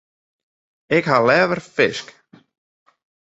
Ik ha leaver fisk.